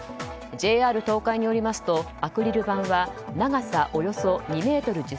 ＪＲ東海によりますとアクリル板は長さおよそ２ｍ１０ｃｍ幅